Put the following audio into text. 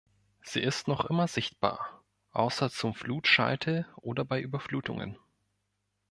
Sie ist noch immer sichtbar, außer zum Flutscheitel oder bei Überflutungen.